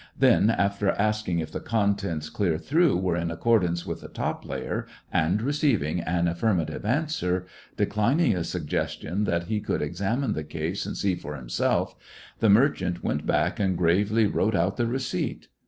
Then, after asking if the contents clear through were in accordance with the top layer, and receiving an affirmative answer, declining a suggestion that he could examine the case and see for himself, the merchant went back and gravely wrote out the receipt.